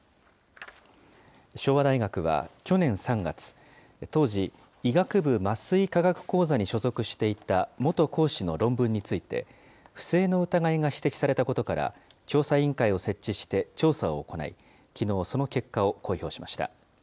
昭和大学は去年３月、当時、医学部麻酔科学講座に所属していた元講師の論文について、不正の疑いが指摘されたことから、調査委員会を設置して調査を行い、きのう、その結果を公表しました。